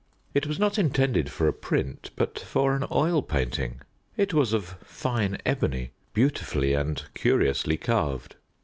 It was not intended for a print, but for an oil painting. It was of fine ebony, beautifully and curiously carved.